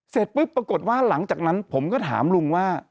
เสร็จปุ๊บปรากฏว่าหลังจากนั้นผมก็ถามลุงว่า